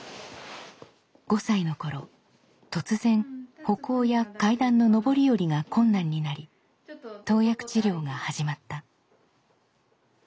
５歳の頃突然歩行や階段の上り下りが困難になり投薬治療が始まった。